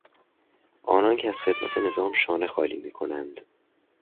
آنان که از خدمت نظام شانه خالی میکنند